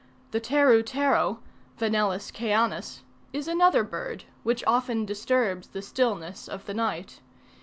The teru tero (Vanellus cayanus) is another bird, which often disturbs the stillness of the night.